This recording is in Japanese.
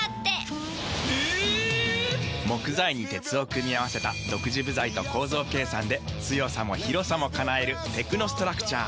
木材に鉄を組み合わせた独自部材と構造計算で強さも広さも叶えるテクノストラクチャー。